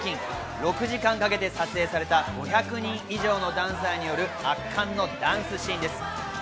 ６時間かけて撮影された５００人以上のダンサーによる圧巻のダンスシーンです。